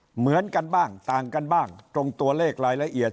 เหมือนกันบ้างต่างกันบ้างตรงตัวเลขรายละเอียด